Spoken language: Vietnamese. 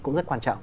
cũng rất quan trọng